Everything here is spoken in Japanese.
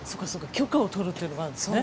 許可を取るっていうのがあるんですね。